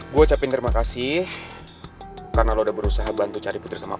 gue ucapin terima kasih karena lo udah berusaha bantu cari putri sama aku